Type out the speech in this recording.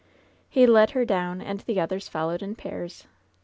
'* He led her down and the others followed in pairs.